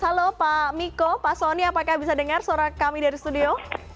halo pak miko pak soni apakah bisa dengar suara kami dari studio